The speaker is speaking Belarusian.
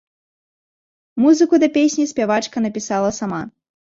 Музыку да песні спявачка напісала сама.